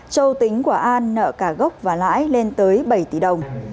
châu tính của an nợ cả gốc và lãi lên tới bảy tỷ đồng